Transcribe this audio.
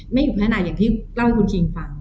ไม่หยุดพัฒนาอย่างที่เล่าให้คุณคิงฟัง